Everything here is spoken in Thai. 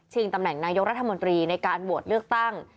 ตำแหน่งนายกรัฐมนตรีในการโหวตเลือกตั้ง